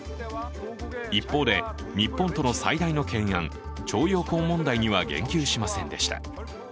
一方で、日本との最大の懸案、徴用工問題には言及しませんでした。